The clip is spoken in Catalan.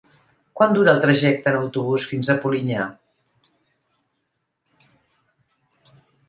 Quant dura el trajecte en autobús fins a Polinyà?